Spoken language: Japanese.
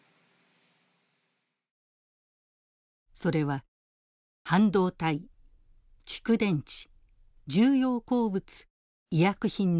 それは半導体蓄電池重要鉱物医薬品の４分野。